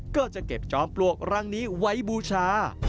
ก็จะเก็บจอมปลวกรังนี้ไว้บูชา